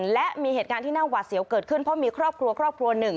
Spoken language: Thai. และมีเหตุการณ์ที่หน้าหวัดเสียวเกิดขึ้นเพราะมีครอบครัว๑